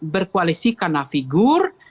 berkoalisi karena figur